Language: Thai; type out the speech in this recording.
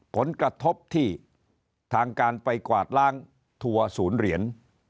ผลกระทบที่ทางการไปกวาดล้างทัวร์ศูนย์เหรียญ